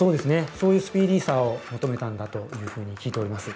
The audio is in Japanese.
そういうスピーディーさを求めたんだというふうに聞いております。